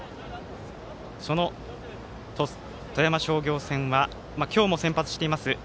富山商業戦は今日も先発しています